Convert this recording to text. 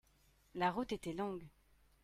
la route était longue.